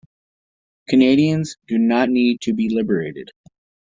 Canadians do not need to be liberated.